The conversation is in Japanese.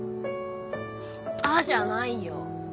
「あっ」じゃないよ。